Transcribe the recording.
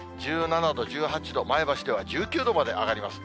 １７度、１８度、前橋では１９度まで上がります。